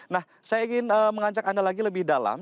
nah saya ingin mengajak anda lagi lebih dalam